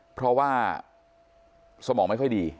เพราะว่าสมองไม่ค่อยดี